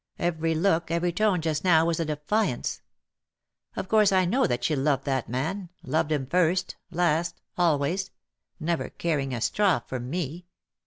Every look, every tone just now was a defiance. Of course I know that she loved that man — loved him first — last — always ; never caring a straw for me.